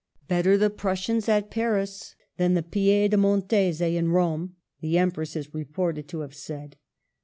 *' Better the Prussians at Paris than the Piedmontese in Rome," the Empress is repoi ted to have said.